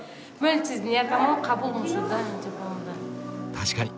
確かに。